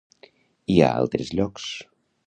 I a altres llocs?